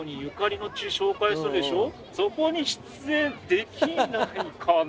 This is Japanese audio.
そこに出演できないかな」。